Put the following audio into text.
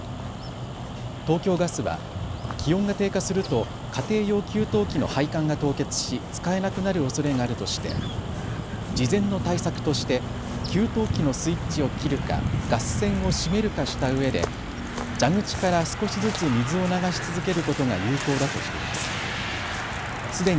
東京ガスは気温が低下すると家庭用給湯器の配管が凍結し使えなくなるおそれがあるとして事前の対策として給湯器のスイッチを切るかガス栓を閉めるかしたうえで蛇口から少しずつ水を流し続けることが有効だとしています。